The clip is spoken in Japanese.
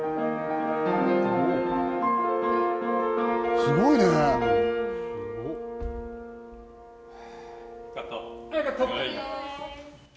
すごいね！へ！